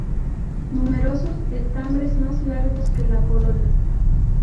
Numerosos estambres más largos que la corola.